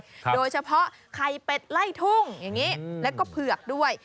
โดยเฉพาะไข่เป็ดไล่ทุ่งอย่างนี้แล้วก็เผือกด้วย